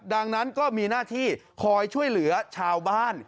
ดังนั้นก็มีหน้าที่คอยช่วยเหลือชาวบ้าน